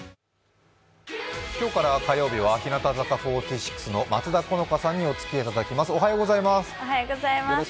今日から火曜日は日向坂４６の松田好花さんにおつきあいいただきます。